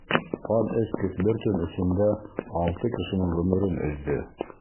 Ҡан эскес бер төн эсендә алты кешенең ғүмерен өҙҙө.